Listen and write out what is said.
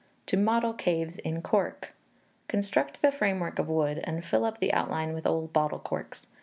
To Model Caves in Cork. Construct the framework of wood, and fill up the outline with old bottle corks.